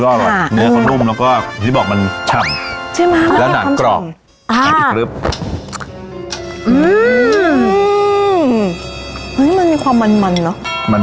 เอาอืมอืมมันไขมันมันเยอะมากฮ่ะเอาจริงจริงคุณภัทรเนี้ย